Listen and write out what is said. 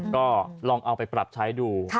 ก็ลองเอาไปปรับใช้ดู